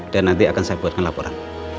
dan nanti akan saya buatkan laporan